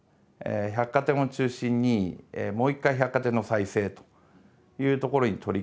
百貨店を中心にもう一回百貨店の再生というところに取り組んでいて。